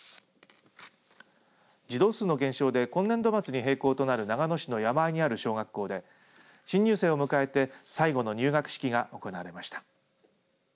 児童数の減少で今年度末に閉校となる長野市の山あいにある小学校で新入生を迎えて最後の入学式が行われました。